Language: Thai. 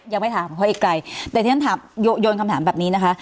ยังไม่ถามเพราะอีกรายโยนคำถามแบบนี้นะคะ